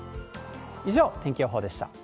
以上、天気予報でした。